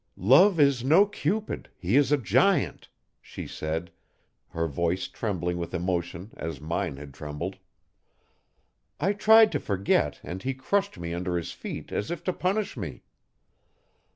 'Love is no Cupid he is a giant,' she said, her voice trembling with emotion as mine had trembled. 'I tried to forget and he crushed me under his feet as if to punish me.